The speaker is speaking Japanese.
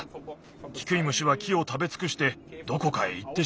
キクイムシは木をたべつくしてどこかへいってしまった。